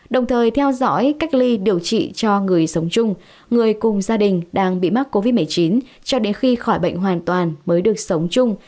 đồng thời theo dõi cách ly điều trị cho người sống chung người cùng gia đình đang bị mắc covid một mươi chín cho đến khi khỏi bệnh hoàn toàn mới được sống chung